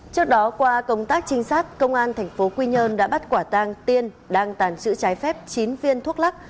trước đó qua công tác trinh sát công an tp quy nhơn đã bắt quả tàng tiên đang tàn sử trái phép chín viên thuốc lắc